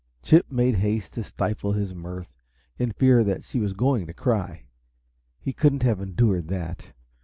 Chip made haste to stifle his mirth, in fear that she was going to cry. He couldn't have endured that.